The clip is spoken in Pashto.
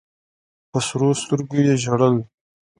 په سرو سترګو یې ژړل.